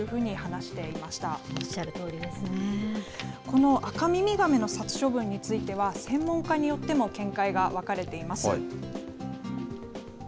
このアカミミガメの殺処分については、専門家によっても見解が分かれています。